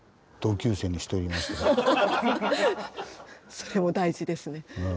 それも大事ですね。